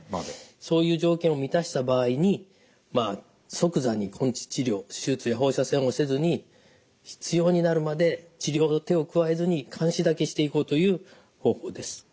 そういう条件を満たした場合にまあ即座に根治治療手術や放射線をせずに必要になるまで治療の手を加えずに監視だけしていこうという方法です。